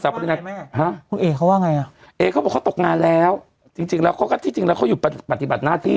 คุณเอกเขาว่าไงเอกเขาบอกว่าเขาตกงานแล้วจริงแล้วเขาอยู่ปฏิบัติหน้าที่